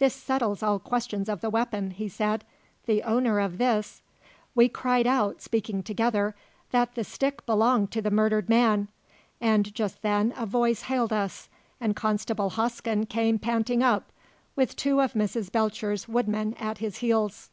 "This settles all question of the weapon," he said. "The owner of this " We cried out, speaking together, that the stick belonged to the murdered man; and just then a voice hailed us, and Constable Hosken came panting up, with two of Miss Belcher's woodmen at his heels.